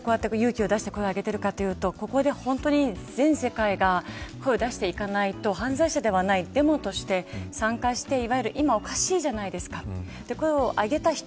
どうして勇気を出して声を上げているかというとここで本当に、全世界が声を出していかないと犯罪者ではないデモとして参加している今、おかしいじゃないですかって